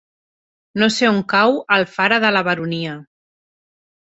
No sé on cau Alfara de la Baronia.